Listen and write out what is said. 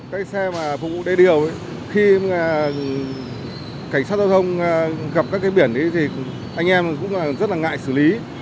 cái xe mà phục vụ đê điều ấy khi mà cảnh sát giao thông gặp các cái biển thì anh em cũng rất là ngại xử lý